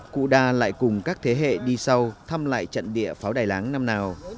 cụ đa lại cùng các thế hệ đi sau thăm lại trận địa pháo đài láng năm nào